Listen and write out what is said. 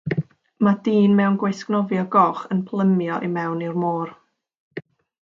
Mae dyn mewn gwisg nofio goch yn plymio i mewn i'r môr.